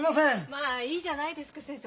まあいいじゃないですか先生